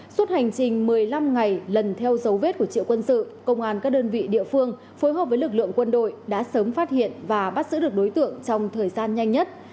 suốt hành trình một mươi năm ngày lần theo dấu vết của triệu quân sự công an các đơn vị địa phương phối hợp với lực lượng quân đội đã sớm phát hiện và bắt giữ được đối tượng trong thời gian nhanh nhất